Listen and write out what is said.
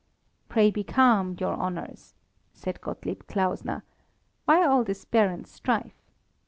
"Pray be calm, your honours," said Gottlieb Klausner. "Why all this barren strife?